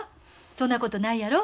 そんなことないやろ？